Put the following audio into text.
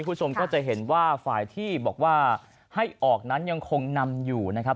คุณผู้ชมก็จะเห็นว่าฝ่ายที่บอกว่าให้ออกนั้นยังคงนำอยู่นะครับ